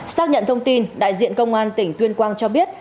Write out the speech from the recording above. xác nhận thông tin đại diện công an tỉnh tuyên quang cho biết